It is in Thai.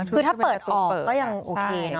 คือถ้าเปิดออกก็ยังโอเคนะ